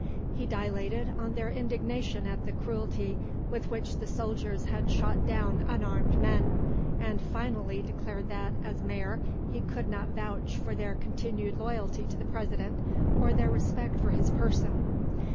He dilated on their indignation at the cruelty with which the soldiers had shot down unarmed men, and finally declared that, as Mayor, he could not vouch for their continued loyalty to the President or their respect for his person.